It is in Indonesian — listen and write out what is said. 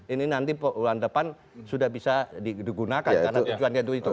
ini nanti bulan depan sudah bisa digunakan karena tujuannya dulu itu